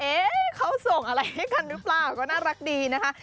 เขาส่งอะไรให้กันหรือเปล่าก็น่ารักดีนะคะ